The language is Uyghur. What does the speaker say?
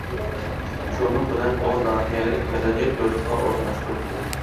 شۇنىڭ بىلەن ئۇ ناھىيەلىك مەدەنىيەت يۇرتىغا ئورۇنلاشتۇرۇلدى.